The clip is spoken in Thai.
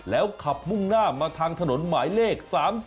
แล้วขับมุ่งหน้ามาทางถนนหมายเลข๓๔